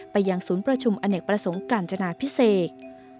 ยังศูนย์ประชุมอเนกประสงค์กาญจนาพิเศษ